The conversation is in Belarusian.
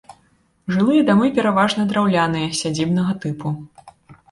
Жылыя дамы пераважна драўляныя, сядзібнага тыпу.